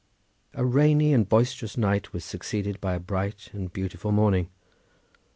A rainy and boisterous night was succeeded by a bright and beautiful morning.